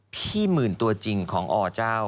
หมื่นตัวจริงของอเจ้า